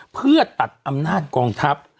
เพื่อตัดอำนาจกองทัพ